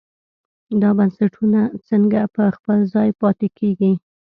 دا بنسټونه څنګه په خپل ځای پاتې کېږي.